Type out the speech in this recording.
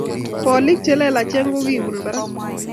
bolik chelelachen kokibun barak